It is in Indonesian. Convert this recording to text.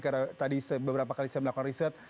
karena tadi beberapa kali saya melakukan riset